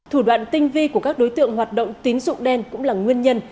thủ đoạn tinh vi của các đối tượng hoạt động tín dụng đen cũng là nguyên nhân